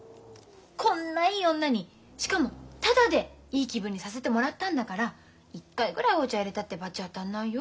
こんないい女にしかもただでいい気分にさせてもらったんだから一回ぐらいお茶いれたって罰当たんないよ。